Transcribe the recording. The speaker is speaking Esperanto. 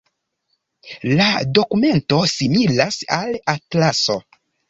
La dokumento similas al atlaso.